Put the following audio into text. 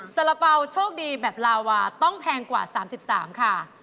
สาระเป๋าโชคดีแบบลาวาต้องแพงกว่า๓๓ค่ะ